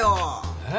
えっ？